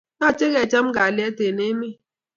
Yache kkecham kalyet en emet